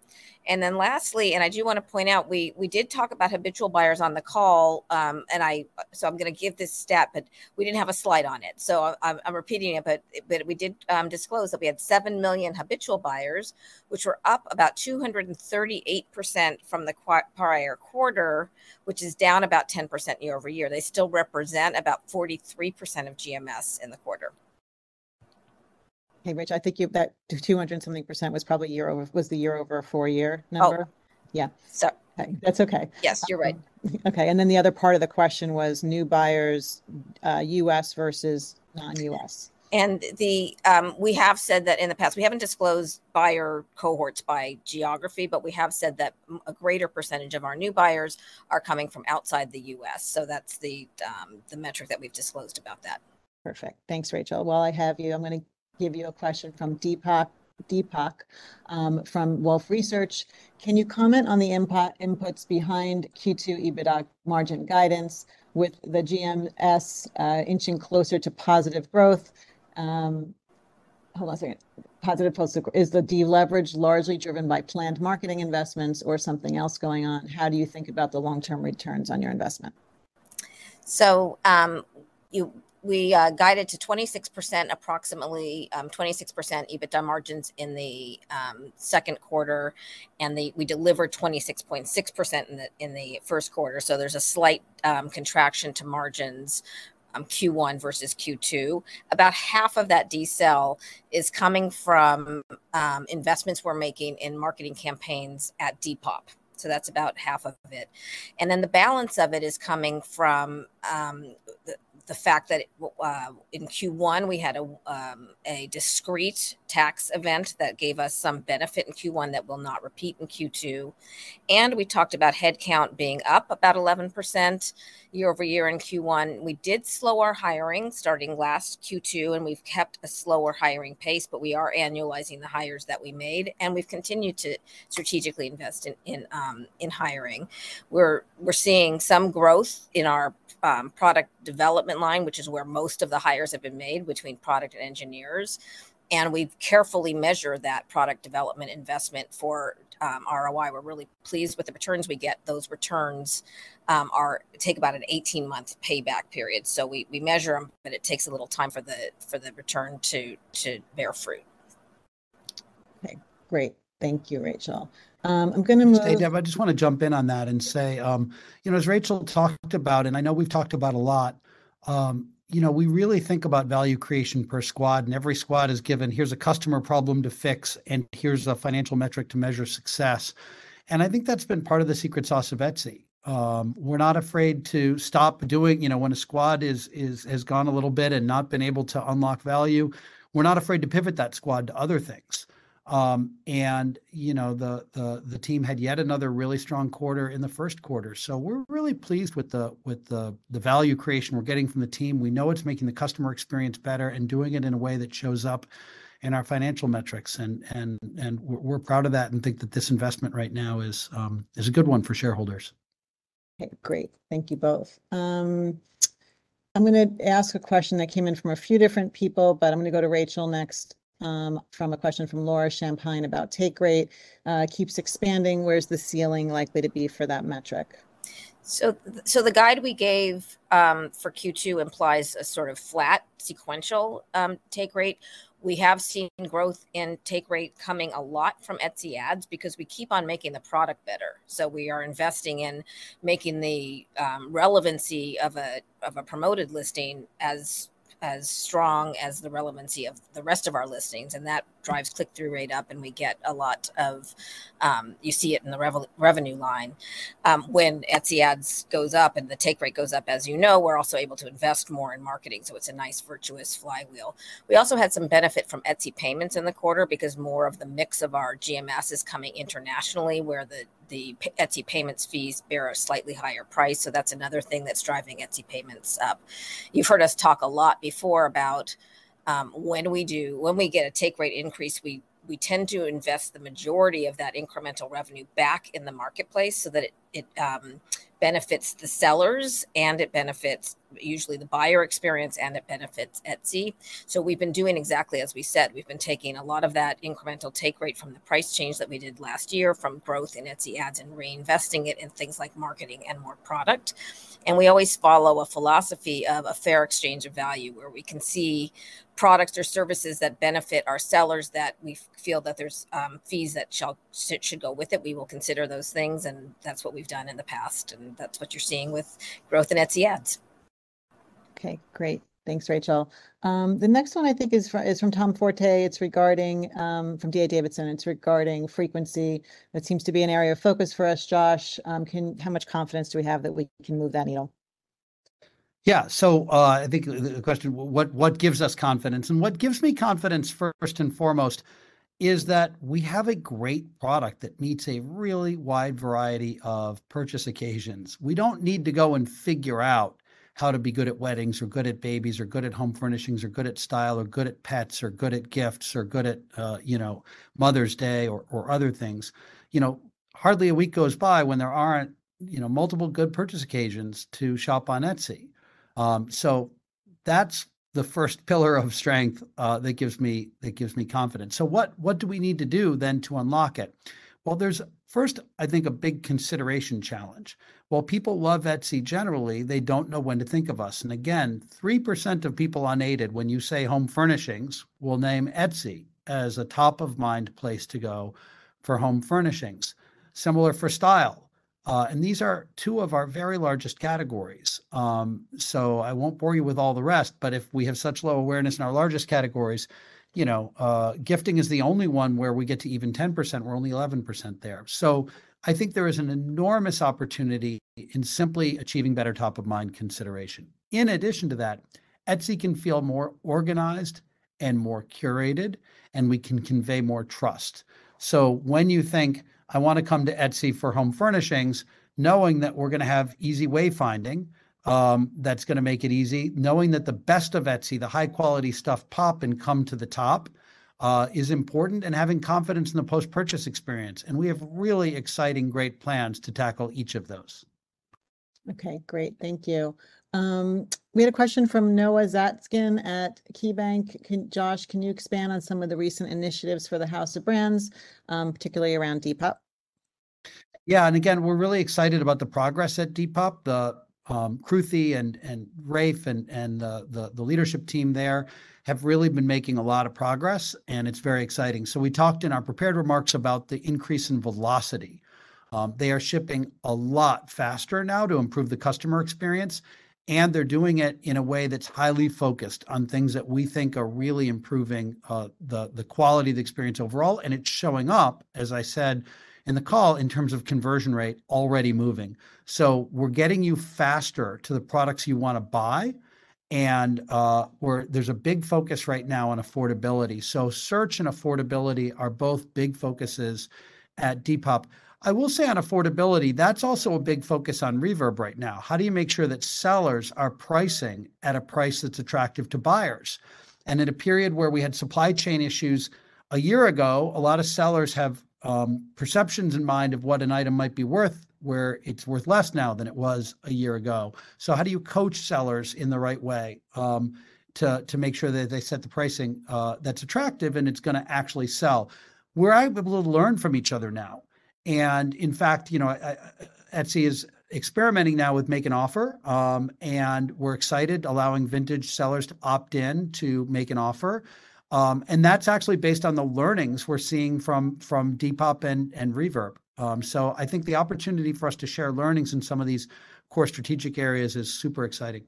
Lastly, I do wanna point out, we did talk about habitual buyers on the call, so I'm gonna give this stat, but we didn't have a slide on it. I'm repeating it, but we did disclose that we had 7 million habitual buyers, which were up about 238% from the prior quarter, which is down about 10% year-over-year. They still represent about 43% of GMS in the quarter. Hey, Rach, I think that 200 and something percent was probably the year over four-year number. Oh. Yeah. Sorry. That's okay. Yes, you're right. Okay. The other part of the question was new buyers, U.S. versus non-U.S. The we have said that in the past. We haven't disclosed buyer cohorts by geography, but we have said that a greater percentage of our new buyers are coming from outside the U.S., so that's the the metric that we've disclosed about that. Perfect. Thanks, Rachel. While I have you, I'm gonna give you a question from Deepak from Wolfe Research: Can you comment on the inputs behind Q2 EBITDA margin guidance with the GMS inching closer to positive growth? Hold on a second. Is the deleverage largely driven by planned marketing investments or something else going on? How do you think about the long-term returns on your investment? We guided to 26%, approximately, 26% EBITDA margins in the second quarter. We delivered 26.6% in the first quarter. There's a slight contraction to margins Q1 versus Q2. About half of that decel is coming from investments we're making in marketing campaigns at Depop. That's about half of it. The balance of it is coming from the fact that well, in Q1, we had a discrete tax event that gave us some benefit in Q1 that will not repeat in Q2. We talked about headcount being up about 11% year-over-year in Q1. We did slow our hiring starting last Q2, and we've kept a slower hiring pace, but we are annualizing the hires that we made, and we've continued to strategically invest in hiring. We're seeing some growth in our product development line, which is where most of the hires have been made between product and engineers. We carefully measure that product development investment for ROI. We're really pleased with the returns we get. Those returns take about an 18-month payback period. We measure them, but it takes a little time for the return to bear fruit. Okay. Great. Thank you, Rachel. Hey, Deb, I just wanna jump in on that and say, you know, as Rachel talked about, and I know we've talked about a lot, you know, we really think about value creation per squad, and every squad is given, "Here's a customer problem to fix, and here's the financial metric to measure success." I think that's been part of the secret sauce of Etsy. We're not afraid to stop doing, you know, when a squad is has gone a little bit and not been able to unlock value, we're not afraid to pivot that squad to other things. You know, the team had yet another really strong quarter in the first quarter. We're really pleased with the value creation we're getting from the team. We know it's making the customer experience better and doing it in a way that shows up in our financial metrics and we're proud of that and think that this investment right now is a good one for shareholders. Okay. Great. Thank you both. I'm gonna ask a question that came in from a few different people, but I'm gonna go to Rachel next, from a question from Laura Champine about take rate. Keeps expanding. Where's the ceiling likely to be for that metric? The guide we gave for Q2 implies a flat sequential take rate. We have seen growth in take rate coming a lot from Etsy Ads because we keep on making the product better. We are investing in making the relevancy of a promoted listing as strong as the relevancy of the rest of our listings, and that drives click-through rate up, and we get a lot of, you see it in the revenue line. Etsy Ads goes up and the take rate goes up, as you know, we're also able to invest more in marketing, so it's a nice virtuous flywheel. We also had some benefit from Etsy Payments in the quarter because more of the mix of our GMS is coming internationally, where the Etsy Payments fees bear a slightly higher price. That's another thing that's driving Etsy Payments up. You've heard us talk a lot before about when we get a take rate increase, we tend to invest the majority of that incremental revenue back in the marketplace so that it benefits the sellers and it benefits usually the buyer experience and it benefits Etsy. We've been doing exactly as we said. We've been taking a lot of that incremental take rate from the price change that we did last year from growth in Etsy Ads and reinvesting it in things like marketing and more product. We always follow a philosophy of a fair exchange of value, where we can see products or services that benefit our sellers that we feel that there's fees that should go with it. We will consider those things, and that's what we've done in the past, and that's what you're seeing with growth in Etsy Ads. Great. Thanks, Rachel. The next one I think is from Tom Forte. It's regarding, from D.A. Davidson, it's regarding frequency. That seems to be an area of focus for us. Josh, can, how much confidence do we have that we can move that needle? Yeah. I think the question, what gives us confidence? What gives me confidence first and foremost is that we have a great product that meets a really wide variety of purchase occasions. We don't need to go and figure out how to be good at weddings or good at babies or good at home furnishings or good at style or good at pets or good at gifts or good at, you know, Mother's Day or other things. You know, hardly a week goes by when there aren't, you know, multiple good purchase occasions to shop on Etsy. That's the first pillar of strength that gives me confidence. What do we need to do then to unlock it? Well, there's first, I think, a big consideration challenge. While people love Etsy generally, they don't know when to think of us. Again, 3% of people unaided when you say home furnishings will name Etsy as a top-of-mind place to go for home furnishings. Similar for style. These are two of our very largest categories. I won't bore you with all the rest, but if we have such low awareness in our largest categories, you know, gifting is the only one where we get to even 10%. We're only 11% there. I think there is an enormous opportunity in simply achieving better top-of-mind consideration. In addition to that, Etsy can feel more organized and more curated, and we can convey more trust. When you think, "I want to come to Etsy for home furnishings," knowing that we're gonna have easy wayfinding, that's gonna make it easy, knowing that the best of Etsy, the high-quality stuff pop and come to the top, is important, and having confidence in the post-purchase experience, and we have really exciting, great plans to tackle each of those. Okay, great. Thank you. We had a question from Noah Zatzkin at KeyBanc. Josh, can you expand on some of the recent initiatives for the house of brands, particularly around Depop? Yeah. Again, we're really excited about the progress at Depop. The Kruti and Rafe and the leadership team there have really been making a lot of progress, and it's very exciting. We talked in our prepared remarks about the increase in velocity. They are shipping a lot faster now to improve the customer experience, and they're doing it in a way that's highly focused on things that we think are really improving the quality of the experience overall. It's showing up, as I said in the call, in terms of conversion rate already moving. We're getting you faster to the products you wanna buy and there's a big focus right now on affordability. Search and affordability are both big focuses at Depop. I will say on affordability, that's also a big focus on Reverb right now. How do you make sure that sellers are pricing at a price that's attractive to buyers? In a period where we had supply chain issues a year ago, a lot of sellers have perceptions in mind of what an item might be worth, where it's worth less now than it was a year ago. How do you coach sellers in the right way to make sure that they set the pricing that's attractive and it's gonna actually sell? We're able to learn from each other now, and in fact, you know, Etsy is experimenting now with Make an Offer, and we're excited allowing vintage sellers to opt in to Make an Offer. That's actually based on the learnings we're seeing from Depop and Reverb. I think the opportunity for us to share learnings in some of these core strategic areas is super exciting.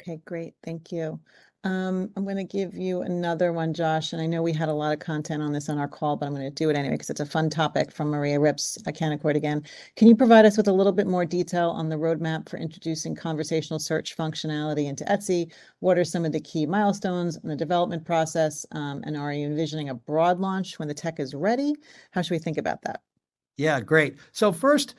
Okay, great. Thank you. I'm gonna give you another one, Josh, and I know we had a lot of content on this on our call, but I'm gonna do it anyway 'cause it's a fun topic from Maria Ripps at Canaccord again. Can you provide us with a little bit more detail on the roadmap for introducing conversational search functionality into Etsy? What are some of the key milestones in the development process? Are you envisioning a broad launch when the tech is ready? How should we think about that? Great. First,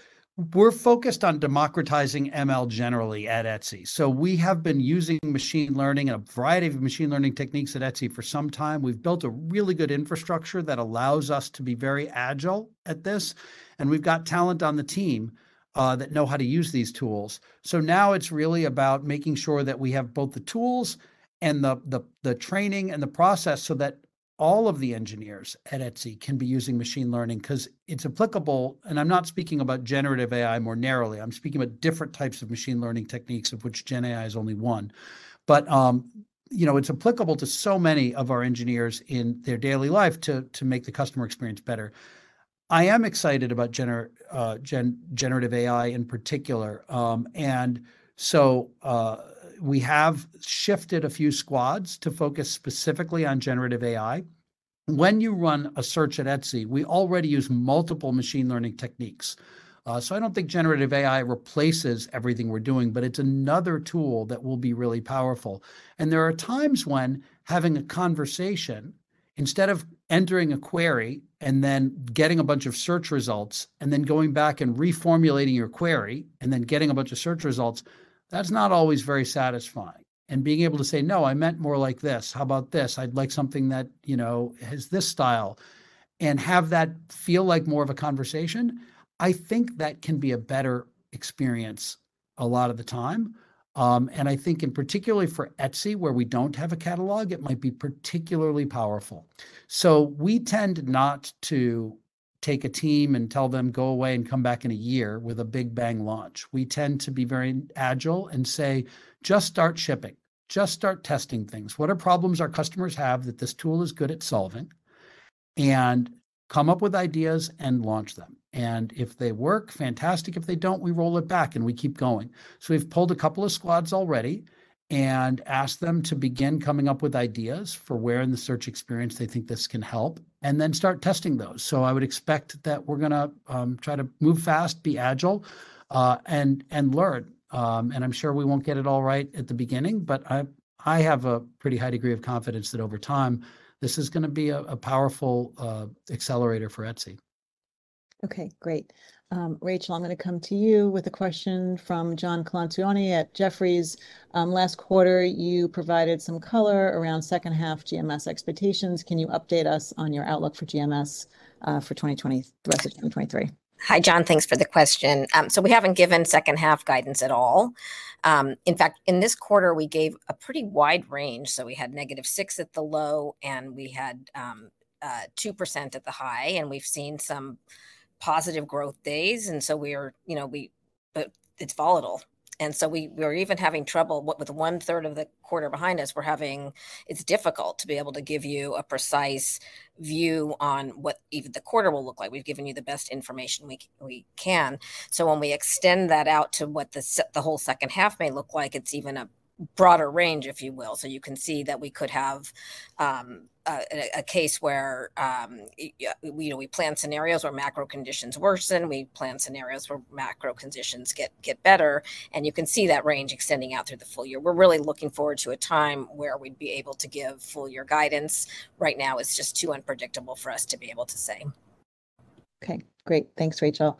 we're focused on democratizing ML generally at Etsy. We have been using machine learning and a variety of machine learning techniques at Etsy for some time. We've built a really good infrastructure that allows us to be very agile at this, and we've got talent on the team that know how to use these tools. Now it's really about making sure that we have both the tools and the training and the process so that all of the engineers at Etsy can be using machine learning 'cause it's applicable. I'm not speaking about generative AI more narrowly, I'm speaking about different types of machine learning techniques, of which gen AI is only one. you know, it's applicable to so many of our engineers in their daily life to make the customer experience better. I am excited about generative AI in particular. We have shifted a few squads to focus specifically on generative AI. When you run a search at Etsy, we already use multiple machine learning techniques. I don't think generative AI replaces everything we're doing, it's another tool that will be really powerful. There are times when having a conversation, instead of entering a query and then getting a bunch of search results, and then going back and reformulating your query, and then getting a bunch of search results, that's not always very satisfying. Being able to say, "No, I meant more like this. How about this? I'd like something that you know, has this style," and have that feel like more of a conversation, I think that can be a better experience a lot of the time. I think in particular for Etsy, where we don't have a catalog, it might be particularly powerful. We tend not to take a team and tell them, "Go away and come back in a year with a big bang launch." We tend to be very agile and say, "Just start shipping. Just start testing things. What are problems our customers have that this tool is good at solving? Come up with ideas and launch them. If they work, fantastic. If they don't, we roll it back and we keep going." We've pulled a couple of squads already and asked them to begin coming up with ideas for where in the search experience they think this can help, and then start testing those. I would expect that we're gonna try to move fast, be agile, and learn. I'm sure we won't get it all right at the beginning, but I have a pretty high degree of confidence that over time this is gonna be a powerful accelerator for Etsy. Okay, great. Rachel, I'm gonna come to you with a question from John Colantuoni at Jefferies. Last quarter you provided some color around second half GMS expectations. Can you update us on your outlook for GMS for the rest of 2023? Hi, John. Thanks for the question. We haven't given second half guidance at all. In fact, in this quarter we gave a pretty wide range, so we had -6 at the low, and we had 2% at the high, and we've seen some positive growth days, you know, but it's volatile. We're even having trouble with one-third of the quarter behind us. It's difficult to be able to give you a precise view on what even the quarter will look like. We've given you the best information we can. When we extend that out to what the whole second half may look like, it's even a broader range, if you will. You can see that we could have a case where, you know, we plan scenarios where macro conditions worsen, we plan scenarios where macro conditions get better, and you can see that range extending out through the full year. We're really looking forward to a time where we'd be able to give full year guidance. Right now it's just too unpredictable for us to be able to say. Okay. Great. Thanks, Rachel.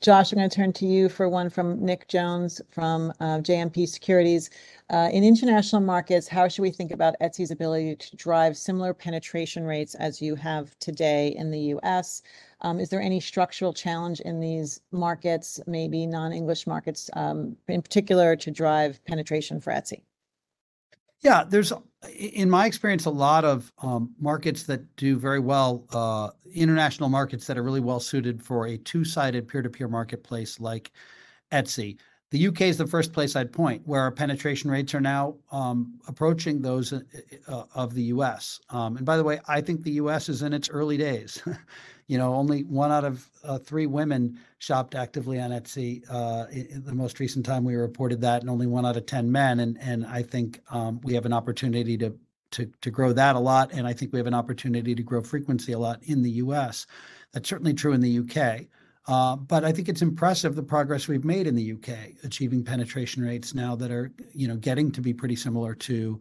Josh, I'm gonna turn to you for one from Nick Jones from JMP Securities. In international markets, how should we think about Etsy's ability to drive similar penetration rates as you have today in the U.S.? Is there any structural challenge in these markets, maybe non-English markets, in particular to drive penetration for Etsy? Yeah, there's in my experience, a lot of markets that do very well, international markets that are really well-suited for a two-sided peer-to-peer marketplace like Etsy. The U.K. is the first place I'd point, where our penetration rates are now approaching those of the U.S. By the way, I think the U.S. is in its early days. You know, only one out of three women shopped actively on Etsy in the most recent time we reported that, and only one out of 10 men, and I think we have an opportunity to grow that a lot, and I think we have an opportunity to grow frequency a lot in the U.S. That's certainly true in the U.K., I think it's impressive the progress we've made in the U.K., achieving penetration rates now that are, you know, getting to be pretty similar to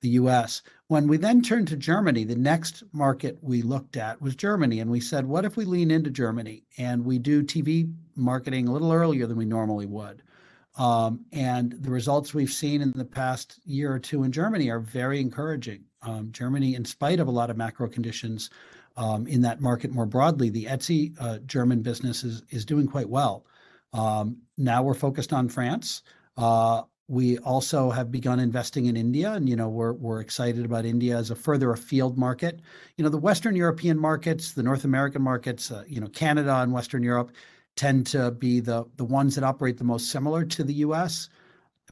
the U.S. When we turn to Germany, the next market we looked at was Germany, and we said, "What if we lean into Germany, and we do TV marketing a little earlier than we normally would?" The results we've seen in the past year or two in Germany are very encouraging. Germany, in spite of a lot of macro conditions, in that market more broadly, the Etsy German business is doing quite well. Now we're focused on France. We also have begun investing in India and, you know, we're excited about India as a further afield market. You know, the Western European markets, the North American markets, you know, Canada and Western Europe tend to be the ones that operate the most similar to the U.S.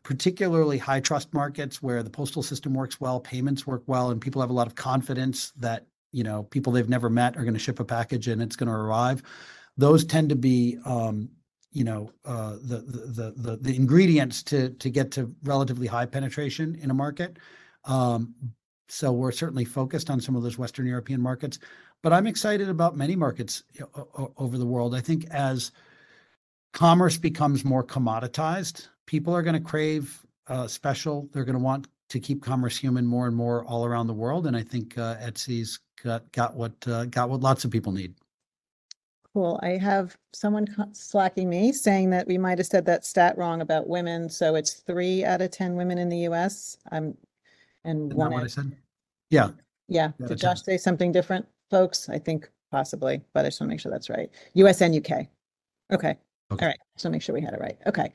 Particularly high-trust markets where the postal system works well, payments work well, and people have a lot of confidence that, you know, people they've never met are gonna ship a package and it's gonna arrive. Those tend to be, you know, the ingredients to get to relatively high penetration in a market. We're certainly focused on some of those Western European markets. I'm excited about many markets over the world. I think as commerce becomes more commoditized, people are gonna crave special. They're gonna want to keep commerce human more and more all around the world, and I think, Etsy's got what lots of people need. Cool. I have someone slacking me saying that we might've said that stat wrong about women, so it's three out of 10 women in the U.S., and one man. Isn't that what I said? Yeah. Yeah. That's what I said. Did Josh say something different, folks? I think possibly, but I just wanna make sure that's right. U.S. and U.K. Okay. Okay. All right. Just wanna make sure we had it right. Okay.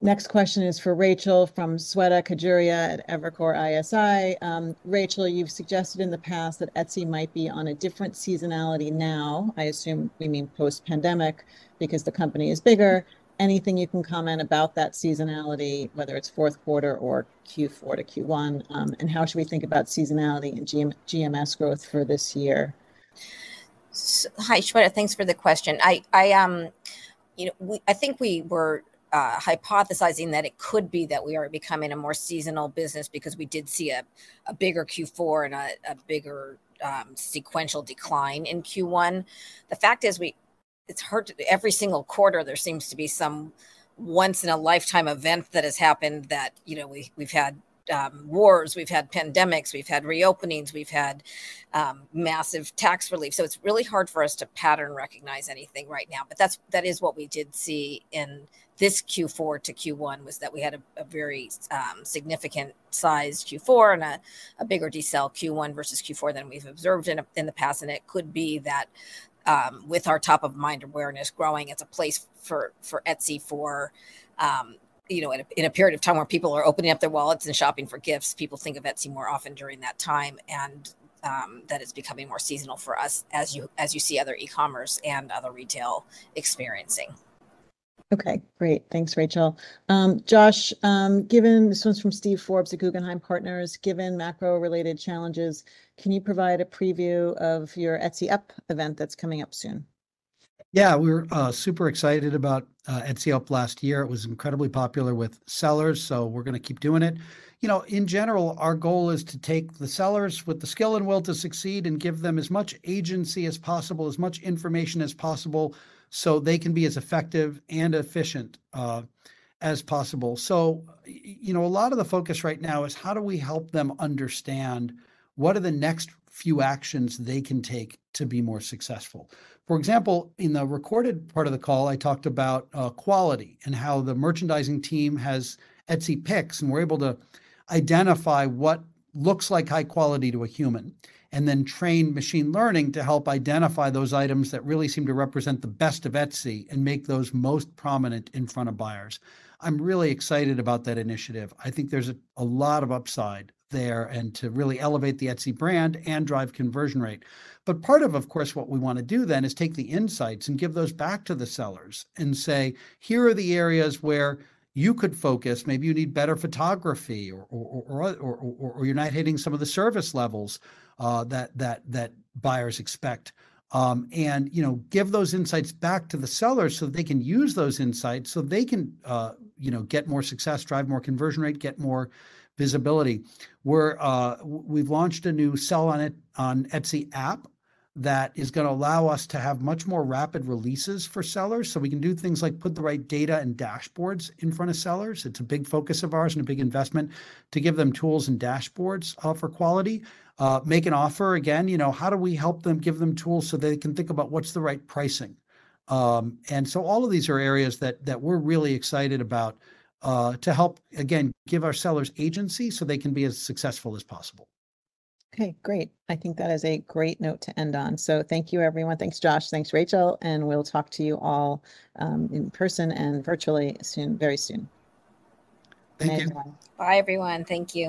Next question is for Rachel from Shweta Khajuria at Evercore ISI. Rachel, you've suggested in the past that Etsy might be on a different seasonality now, I assume we mean post-pandemic, because the company is bigger. Anything you can comment about that seasonality, whether it's fourth quarter or Q4 to Q1, and how should we think about seasonality and GMS growth for this year? Hi, Shweta, thanks for the question. I, you know, I think we were hypothesizing that it could be that we are becoming a more seasonal business because we did see a bigger Q4 and a bigger sequential decline in Q1. The fact is every single quarter there seems to be some once in a lifetime event that has happened that, you know, we've had wars, we've had pandemics, we've had reopenings, we've had massive tax relief. It's really hard for us to pattern recognize anything right now. That is what we did see in this Q4 to Q1, was that we had a very significant size Q4 and a bigger decel Q1 versus Q4 than we've observed in the past. It could be that, with our top of mind awareness growing, it's a place for Etsy for, you know, in a period of time where people are opening up their wallets and shopping for gifts, people think of Etsy more often during that time. That is becoming more seasonal for us as you see other e-commerce and other retail experiencing. Okay. Great. Thanks, Rachel. Josh, this one's from Steve Forbes at Guggenheim Partners. Given macro-related challenges, can you provide a preview of your Etsy Up event that's coming up soon? Yeah. We're super excited about Etsy Up last year. It was incredibly popular with sellers, so we're gonna keep doing it. You know, in general, our goal is to take the sellers with the skill and will to succeed and give them as much agency as possible, as much information as possible, so they can be as effective and efficient as possible. You know, a lot of the focus right now is how do we help them understand what are the next few actions they can take to be more successful. For example, in the recorded part of the call, I talked about quality and how the merchandising team has Etsy picks, and we're able to identify what looks like high quality to a human, and then train machine learning to help identify those items that really seem to represent the best of Etsy and make those most prominent in front of buyers. I'm really excited about that initiative. I think there's a lot of upside there, and to really elevate the Etsy brand and drive conversion rate. Part of course, what we wanna do then is take the insights and give those back to the sellers and say, "Here are the areas where you could focus. Maybe you need better photography or you're not hitting some of the service levels that buyers expect. You know, give those insights back to the sellers so they can use those insights so they can, you know, get more success, drive more conversion rate, get more visibility. We've launched a new Sell on Etsy app that is gonna allow us to have much more rapid releases for sellers, so we can do things like put the right data and dashboards in front of sellers. It's a big focus of ours and a big investment to give them tools and dashboards for quality. Make an Offer. Again, you know, how do we help them, give them tools so they can think about what's the right pricing. All of these are areas that we're really excited about, to help, again, give our sellers agency so they can be as successful as possible. Great. I think that is a great note to end on. Thank you, everyone. Thanks, Josh. Thanks, Rachel, we'll talk to you all in person and virtually soon, very soon. Thank you. Bye, everyone. Bye, everyone. Thank you.